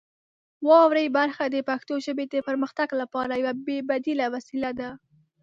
واورئ برخه د پښتو ژبې د پرمختګ لپاره یوه بې بدیله وسیله ده.